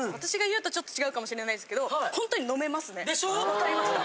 わかりました！